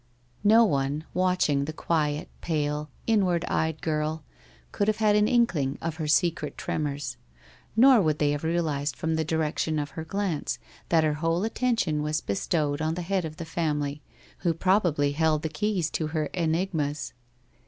No one, watching the quiet, pale, inward eyed girl, could have had an inkling of her secret tremors, nor would they have realised from the direction of her glance that her whole attention was bestowed on the head of the family, who probably held the keys to her enigmas.